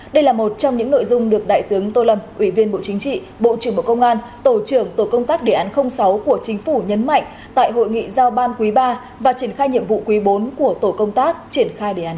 đây là một trong những nội dung được đại tướng tô lâm ủy viên bộ chính trị bộ trưởng bộ công an tổ trưởng tổ công tác đề án sáu của chính phủ nhấn mạnh tại hội nghị giao ban quý ba và triển khai nhiệm vụ quý bốn của tổ công tác triển khai đề án sáu